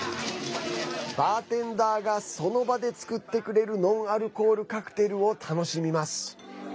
バーテンダーがその場で作ってくれるノンアルコールカクテルを楽しみます。